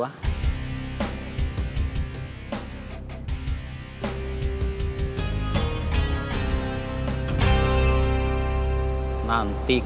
kamu lihat yang dua